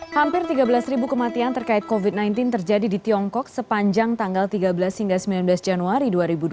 hampir tiga belas ribu kematian terkait covid sembilan belas terjadi di tiongkok sepanjang tanggal tiga belas hingga sembilan belas januari dua ribu dua puluh satu